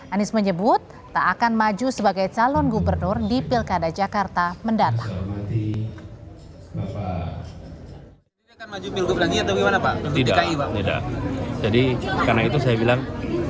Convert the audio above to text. anies menyebut tak akan maju sebagai calon gubernur di pilkada jakarta mendatang